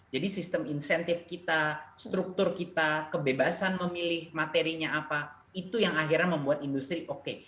jadi sistem insentif kita struktur kita kebebasan memilih materinya apa itu yang akhirnya membuat industri oke